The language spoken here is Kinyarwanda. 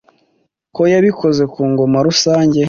Ko yabikoze ku ngoma rusange